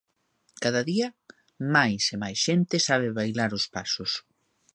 Cada día máis e máis xente sabe bailar os pasos.